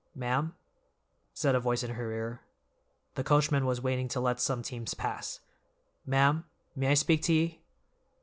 "Ma'am," said a voice in her ear. The coachman was waiting to let some teams pass. "Ma'am, may I speak to ye?"